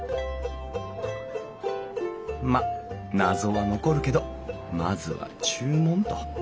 まっ謎は残るけどまずは注文と。